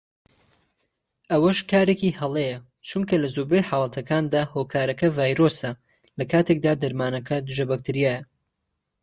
ئەوەش کارێکی هەڵەیە چونکە لە زۆربەی حاڵەتەکاندا هۆکارەکە ڤایرۆسە لەکاتێکدا دەرمانەکە دژە بەکتریایە